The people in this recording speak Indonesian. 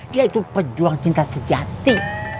dia itu pejuang cinta sejati